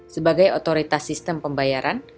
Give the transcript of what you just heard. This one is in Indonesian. sebagai otoritas sistem pembayaran